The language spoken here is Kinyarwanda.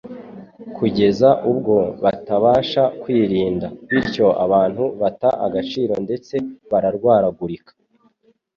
kugeza ubwo batabasha kwirinda. Bityo abantu bata agaciro ndetse bararwaragurika